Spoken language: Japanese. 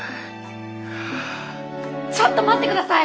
ちょっと待って下さい！